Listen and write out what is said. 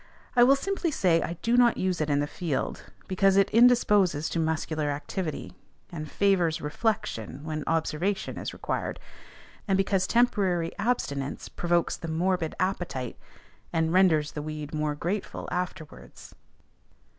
I will simply say, I do not use it in the field, because it indisposes to muscular activity, and favors reflection when observation is required; and because temporary abstinence provokes the morbid appetite, and renders the weed more grateful afterwards.